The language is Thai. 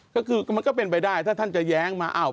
ก็คือมันก็เป็นไปได้ถ้าท่านจะแย้งมา